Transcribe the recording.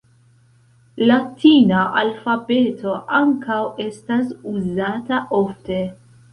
Latina alfabeto ankaŭ estas uzata ofte.